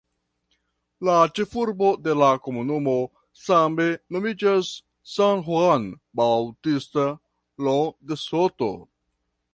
La ĉefurbo de la komunumo same nomiĝas "San Juan Bautista Lo de Soto".